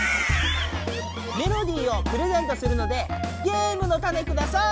メロディーをプレゼントするのでゲームのタネください！